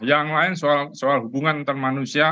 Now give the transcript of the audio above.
yang lain soal hubungan antar manusia